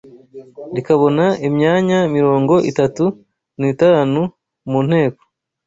rikabona imyanya mirongo itatu nitanu mu nteko